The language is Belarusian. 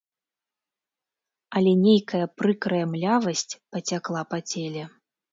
Але нейкая прыкрая млявасць пацякла па целе.